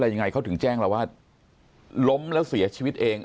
ยังไงเขาถึงแจ้งเราว่าล้มแล้วเสียชีวิตเอง